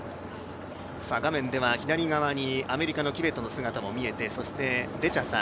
画面では左側にアメリカのキベトの姿も見えていてそしてデチャサ